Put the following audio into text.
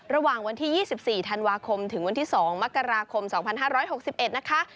ระหว่างวันที่๒๔ธันวาคมถึงวันที่๒มกราคม๒๕๖๑นะคะ